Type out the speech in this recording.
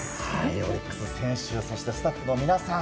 オリックスの選手そしてスタッフの皆さん